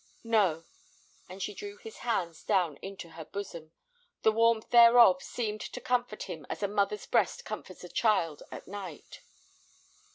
"No," and she drew his hands down into her bosom; the warmth thereof seemed to comfort him as a mother's breast comforts a child at night.